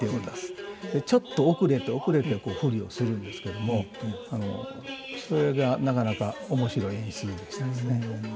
ちょっと遅れて遅れて振りをするんですけどもそれがなかなか面白い演出でしたですね。